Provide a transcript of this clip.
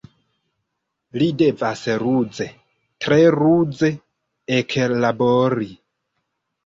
Li devas ruze, tre ruze eklabori.